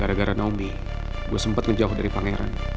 gara gara naomi gue sempet ngejauh dari pangeran